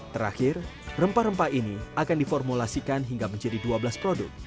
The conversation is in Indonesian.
terakhir rempah rempah ini akan diformulasikan hingga menjadi dua belas produk